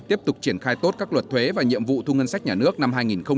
tiếp tục triển khai tốt các luật thuế và nhiệm vụ thu ngân sách nhà nước năm hai nghìn hai mươi